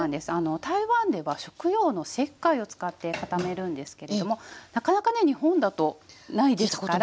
台湾では食用の石灰を使って固めるんですけれどもなかなかね日本だとないですから。